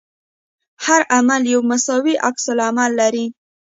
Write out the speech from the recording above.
هر عمل یو مساوي عکس العمل لري.